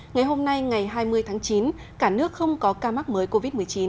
ngày hôm nay ngày hai mươi tháng chín cả nước không có ca mắc mới covid một mươi chín